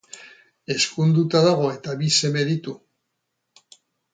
Ezkonduta dago eta bi seme ditu.